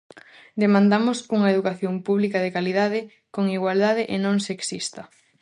Demandamos unha educación pública de calidade, con igualdade e non sexista.